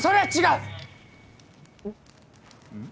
うん？